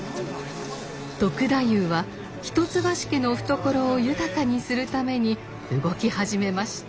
篤太夫は一橋家の懐を豊かにするために動き始めました。